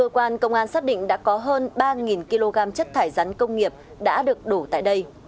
cơ quan công an xác định đã có hơn ba kg chất thải rắn công nghiệp đã được đổ tại đây